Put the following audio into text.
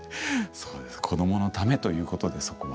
子どものためということでそこは。